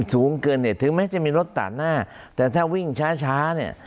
สูงเกินเนี่ยถึงแม้จะมีรถตัดหน้าแต่ถ้าวิ่งช้าช้าเนี่ย